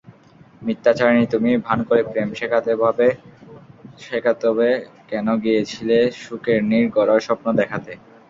মিথ্যাচারিণী তুমি, ভান করে প্রেম শেখাতেতবে কেন গিয়েছিলেসুখের নীড় গড়ার স্বপ্ন দেখাতে।